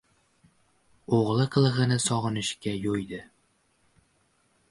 O‘g‘li qilig‘ini sog‘inishga yo‘ydi.